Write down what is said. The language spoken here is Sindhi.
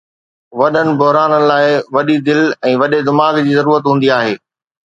وڏن بحرانن لاءِ وڏي دل ۽ وڏي دماغ جي ضرورت هوندي آهي.